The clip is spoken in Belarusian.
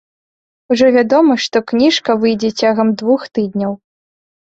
Ужо вядома, што кніжка выйдзе цягам двух тыдняў.